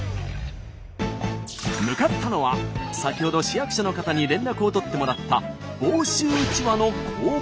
向かったのは先ほど市役所の方に連絡を取ってもらった房州うちわの工房。